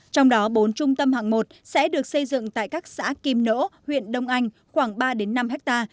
trong đó bốn trung tâm hạng một sẽ được xây dựng tại các xã kim nỗ huyện đông anh khoảng ba năm ha